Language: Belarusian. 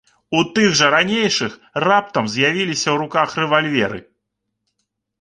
У тых жа ранейшых раптам з'явіліся ў руках рэвальверы.